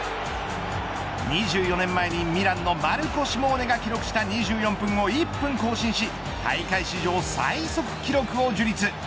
２４年前にミランのマルコ・シモーネが記録した２４分を１分更新し大会史上最速記録を樹立。